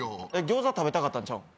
餃子食べたかったんちゃうん？